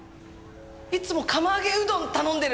いつも釜揚げうどん頼んでる！